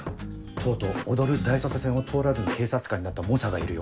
とうとう『踊る大捜査線』を通らずに警察官になった猛者がいるよ。